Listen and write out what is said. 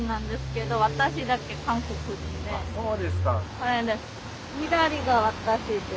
これです。